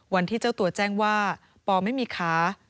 วันที่เจ้าตัวแจ้งว่าปอไม่มีขา